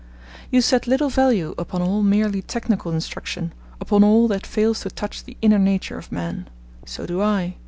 You set little value upon all merely technical instruction, upon all that fails to touch the inner nature of man: so do I.